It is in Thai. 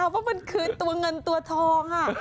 เพราะมันคือตัวเงินตัวทอง